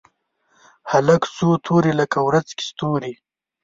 هلک څو توري لکه ورځ کې ستوري